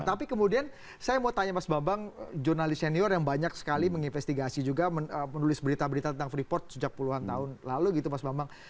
tapi kemudian saya mau tanya mas bambang jurnalis senior yang banyak sekali menginvestigasi juga menulis berita berita tentang freeport sejak puluhan tahun lalu gitu mas bambang